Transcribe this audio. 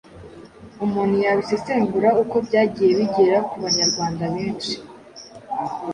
Umuntu yabisesengura uko byagiye bigera ku Banyarwanda benshi.